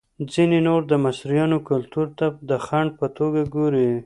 ځینې نور د مصریانو کلتور ته د خنډ په توګه ګوري.